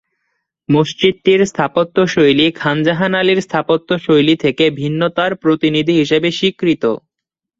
মসজিদটির স্থাপত্যশৈলী খান জাহান আলীর স্থাপত্যশৈলী থেকে ভিন্নতার প্রতিনিধি হিসেবে স্বীকৃত।